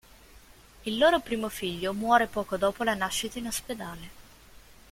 Il loro primo figlio muore poco dopo la nascita in ospedale.